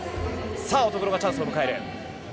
さあ、乙黒がチャンスを迎える。